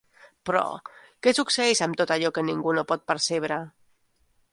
Però, què succeeix amb tot allò que ningú no pot percebre?